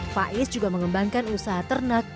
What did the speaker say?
faiz juga mengembangkan usaha ternak